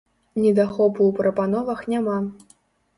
Недахопу ў прапановах няма.